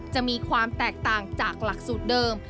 จะมีความแตกต่างจากหลักสูตรเดิม